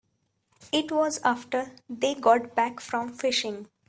It was after they got back from fishing.